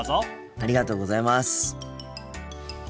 ありがとうございます。